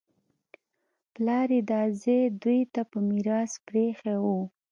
پلار یې دا ځای دوی ته په میراث پرېښی و